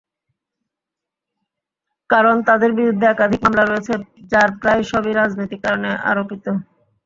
কারণ, তাঁদের বিরুদ্ধে একাধিক মামলা রয়েছে, যার প্রায় সবই রাজনৈতিক কারণে আরোপিত।